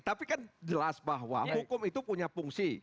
tapi kan jelas bahwa hukum itu punya fungsi